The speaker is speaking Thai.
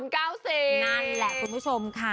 ขอบคุณผู้ชมค่ะ